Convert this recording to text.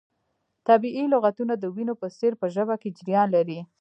طبیعي لغتونه د وینو په څیر په ژبه کې جریان لري.